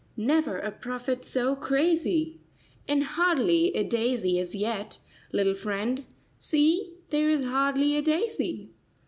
Never a prophet so crazy! And hardly a daisy as yet, little friend— See, there is hardly a daisy.